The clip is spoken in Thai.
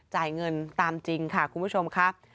จ่ายเงินตามจริงค่ะคุณผู้ชมครับ